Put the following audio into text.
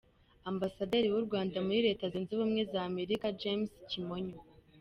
Ambasaderi w’u Rwanda muri Reta zunze ubumwe za Amerika James Kimonyo.